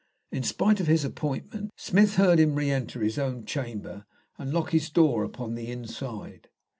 In spite of his appointment, Smith heard him re enter his own chamber and lock his door upon the inside.